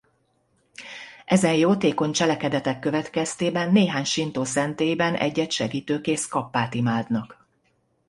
Ezen jótékony cselekedetek következtében néhány sintó szentélyben egy-egy segítőkész kappát imádnak.